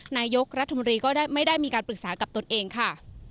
นายกรัฐมนตรีก็ไม่ได้มีการปรึกษากับตนเองค่ะ